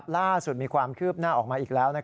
ล่าสุดมีความคืบหน้าออกมาอีกแล้ว